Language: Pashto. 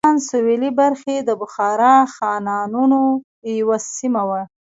د ازبکستان سوېلې برخې د بخارا خانانو یوه سیمه وه.